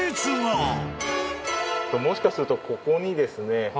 もしかするとここにですね。